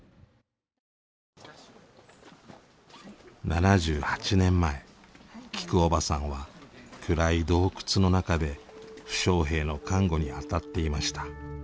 ７８年前きくおばさんは暗い洞窟の中で負傷兵の看護に当たっていました。